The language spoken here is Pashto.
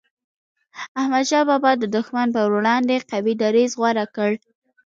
احمد شاه بابا د دښمن پر وړاندي قوي دریځ غوره کړ.